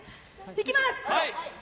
行きます！